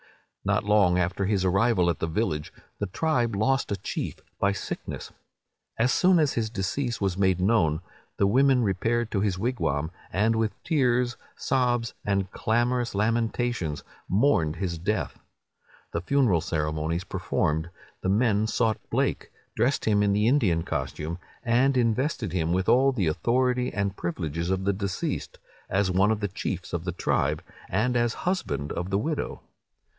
"Not long after his arrival at the village, the tribe lost a chief by sickness. As soon as his decease was made known, the women repaired to his wigwam, and with tears, sobs, and clamorous lamentations, mourned his death. The funeral ceremonies performed, the men sought Blake, dressed him in the Indian costume, and invested him with all the authority and privileges of the deceased, as one of the chiefs of the tribe, and as husband of the widow.